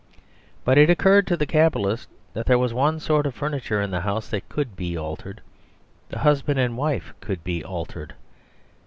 But it occurred to the capitalist that there was one sort of furniture in the house that could be altered. The husband and wife could be altered.